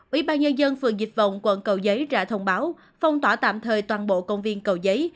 ủy ban nhân dân phường dịch vọng quận cầu giấy ra thông báo phong tỏa tạm thời toàn bộ công viên cầu giấy